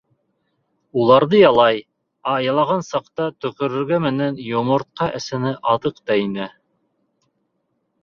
Уларҙы ялай, ә ялаған саҡта төкөрөгө менән йомортҡа эсенә аҙыҡ та инә.